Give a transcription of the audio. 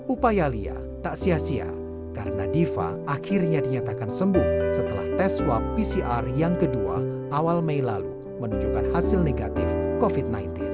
upaya lia tak sia sia karena diva akhirnya dinyatakan sembuh setelah tes swab pcr yang kedua awal mei lalu menunjukkan hasil negatif covid sembilan belas